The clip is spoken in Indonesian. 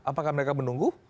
apakah mereka menunggu